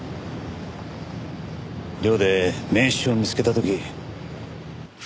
寮で名刺を見つけた時。